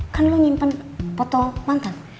kan lo nyimpen foto mantan